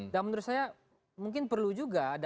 dan menurut saya mungkin perlu juga